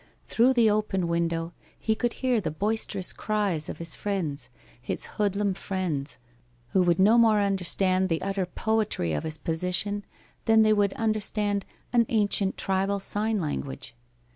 Through the open window he could hear the boisterous cries of his friends his hoodlum friends who would no more understand the utter poetry of his position than they would understand an ancient tribal sign language.